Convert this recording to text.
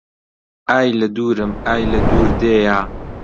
ئای لە دوورم ئای لە دوور دێیا